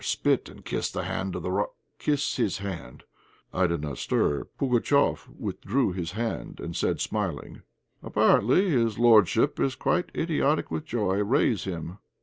Spit and kiss the hand of the rob , kiss his hand!" I did not stir. Pugatchéf withdrew his hand and said, smiling "Apparently his lordship is quite idiotic with joy; raise him."